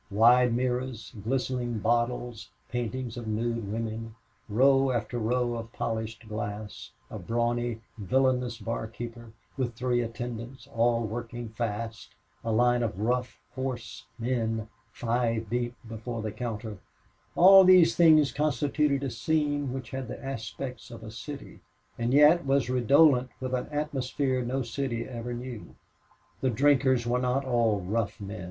Wide mirrors, glistening bottles, paintings of nude women, row after row of polished glasses, a brawny, villainous barkeeper, with three attendants, all working fast, a line of rough, hoarse men five deep before the counter all these things constituted a scene that had the aspects of a city and yet was redolent with an atmosphere no city ever knew. The drinkers were not all rough men.